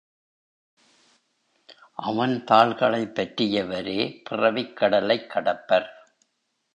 அவன் தாள்களைப் பற்றியவரே பிறவிக் கடலைக் கடப்பர்.